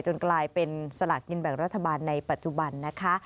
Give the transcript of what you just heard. กลายเป็นสลากกินแบ่งรัฐบาลในปัจจุบันนะคะ